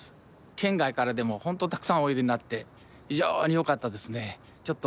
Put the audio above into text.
県外からでもホントたくさんおいでになって非常によかったですね。